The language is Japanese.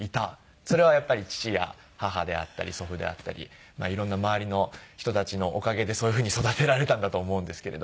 それはやっぱり父や母であったり祖父であったり色んな周りの人たちのおかげでそういうふうに育てられたんだと思うんですけれども。